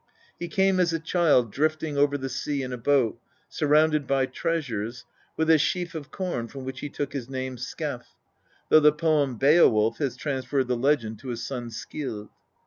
He came as a child drifting over the sea in a boat, surrounded by treasures, with a sheaf of corn from which he took his name Skef, though the poem Beowulf has transferred the legend to his son Scyld.